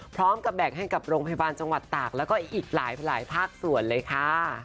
พร้อมกับแบ่งให้กับโรงพยาบาลจังหวัดตากแล้วก็อีกหลายภาคส่วนเลยค่ะ